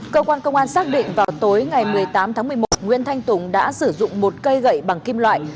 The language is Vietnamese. cơ quan công an xác định vào tối ngày một mươi tám tháng một mươi một nguyễn thanh tùng đã sử dụng một cây gậy bằng kim loại